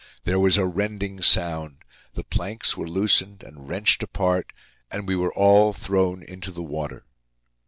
There was a rending sound, the planks were loosened and wrenched apart, and we were all thrown into the water.